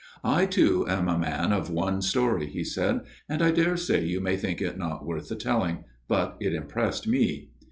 " I, too, am a man of one story," he said ;" and I daresay you may think it not worth the telling. But it impressed me."